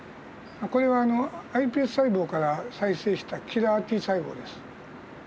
これはｉＰＳ細胞から再生したキラーＴ細胞です。